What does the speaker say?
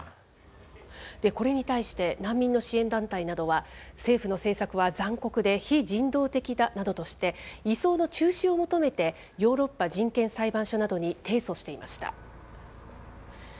これに対して、難民の支援団体は、政府の政策は残酷で非人道的だなどとして、移送の中止を求めてヨーロッパ人権裁判所などに提訴していました。